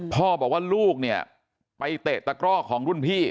พ่อบอกว่าลูกเนี่ยไปเตะตะกร่อของรุ่นพี่